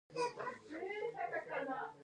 دملکیار شعر لرغونو شعرونو ته ورته دﺉ.